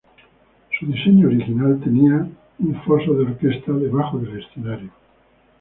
Su diseño original tenía un foso de orquesta debajo del escenario.